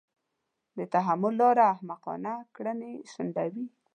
د تحمل لاره احمقانه کړنې شنډوي.